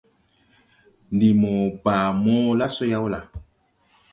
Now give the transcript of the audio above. Ndi mo baa mo la so yaw la ?